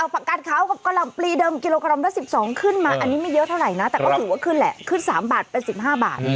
ปากกาดขาวกับกะหล่ำปลีเดิมกิโลกรัมละ๑๒ขึ้นมาอันนี้ไม่เยอะเท่าไหร่นะแต่ก็ถือว่าขึ้นแหละขึ้น๓บาทเป็น๑๕บาท